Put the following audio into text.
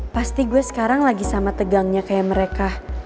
pasti gue sekarang lagi sama tegangnya kayak mereka